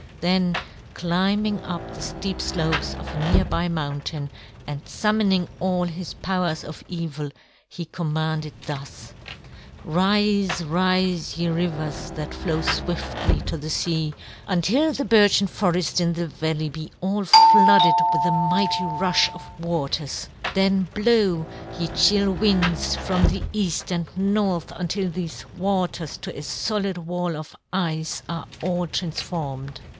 Then climbing up the steep slopes of a near by mountain, and summoning all his powers of evil, he commanded thus: "Rise, rise, ye rivers that flow swiftly to the sea, until the birchen forest in the valley be all flooded with a mighty rush of waters! Then blow, ye chill winds, from the east and north until these waters to a solid wall of ice are all transformed."